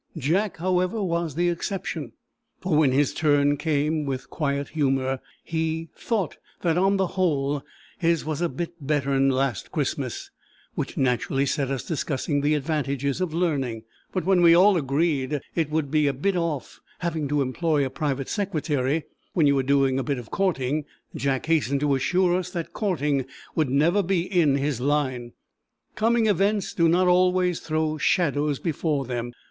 Jack, however, was the exception; for when his turn came, with quiet humour he "thought that on the whole his was a bit better'n last Christmas," which naturally set us discussing the advantages of learning; but when we all agreed "it would be a bit off having to employ a private secretary when you were doing a bit of courting," Jack hastened to assure us that "courting" would never be in his line—coming events do not always throw shadows before them.